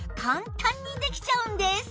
簡単にできちゃうんです！